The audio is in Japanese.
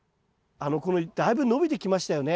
このだいぶ伸びてきましたよね。